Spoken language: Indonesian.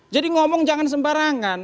jadi ngomong jangan sembarangan